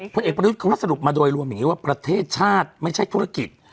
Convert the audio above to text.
เพื่อเลือกสรุปมาโดยรวมอย่างงี้ว่าประเทศชาติไม่ใช่ธุรกิจ